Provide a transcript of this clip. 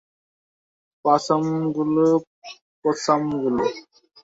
পসামগুলো, পসামগুলো!